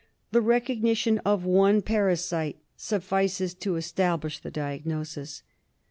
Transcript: The recognition of one parasite suffices to establish the diagnosis.